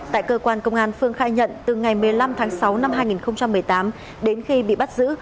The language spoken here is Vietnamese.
tại cơ quan công an phương khai nhận từ ngày một mươi năm tháng sáu năm hai nghìn một mươi tám đến khi bị bắt giữ